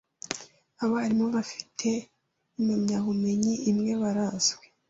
abarimu bafite impamyabumenyi imwe barazwi